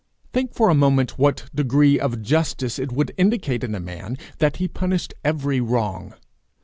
Think for a moment what degree of justice it would indicate in a man that he punished every wrong.